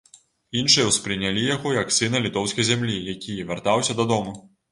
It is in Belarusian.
Іншыя ўспрынялі яго як сына літоўскай зямлі, які вяртаўся дадому.